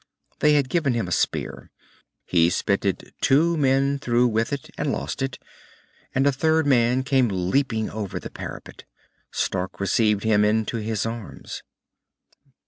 They had given him a spear. He spitted two men through with it and lost it, and a third man came leaping over the parapet. Stark received him into his arms.